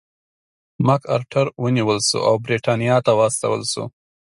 مک ارتر ونیول شو او برېټانیا ته واستول شو.